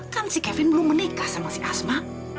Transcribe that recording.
kan si kevin belum menikah sama si asma